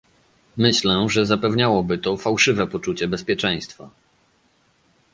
Myślę że zapewniałoby to fałszywe poczucie bezpieczeństwa